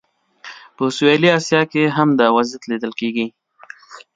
په سویلي اسیا کې هم دا وضعیت لیدل کېږي.